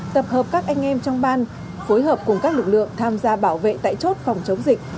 tập hợp các anh em trong ban phối hợp cùng các lực lượng tham gia bảo vệ tại chốt phòng chống dịch